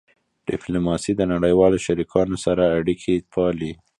ډیپلوماسي د نړیوالو شریکانو سره اړیکې پالي.